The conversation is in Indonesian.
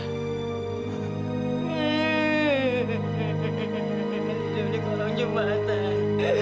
tidur di kolam jembatan